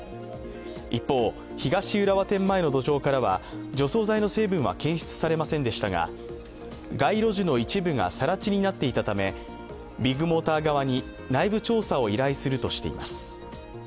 一方、東浦和店前の土壌からは除草剤の成分は検出されませんでしたが、街路樹の一部がさら地になっていたため、ビッグモーター側に内部調査を依頼するとしています。